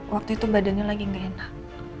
waktu itu badannya lagi gak enak